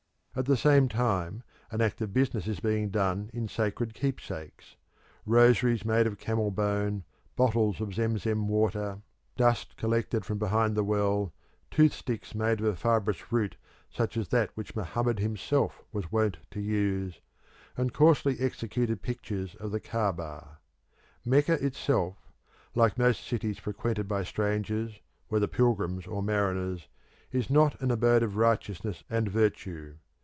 At the same time an active business is being done in sacred keepsakes rosaries made of camel bone, bottles of Zemzem water, dust collected from behind the veil, tooth sticks made of a fibrous root such as that which Mohammed himself was wont to use, and coarsely executed pictures of the Caaba. Mecca itself, like most cities frequented by strangers, whether pilgrims or mariners, is not an abode of righteousness and virtue.